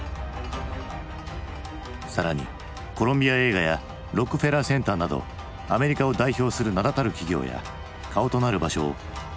更にコロンビア映画やロックフェラーセンターなどアメリカを代表する名だたる企業や顔となる場所を日本資本が買収。